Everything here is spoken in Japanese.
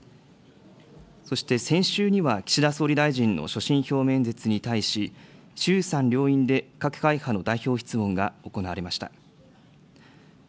そして、先週には、岸田総理大臣の所信表明演説に対し、衆参両院で各会派の代表質問が行われました。